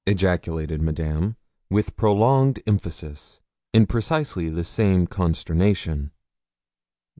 _' ejaculated Madame, with prolonged emphasis, in precisely the same consternation.